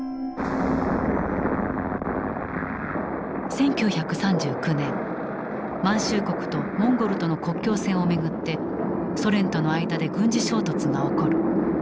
１９３９年満州国とモンゴルとの国境線を巡ってソ連との間で軍事衝突が起こる。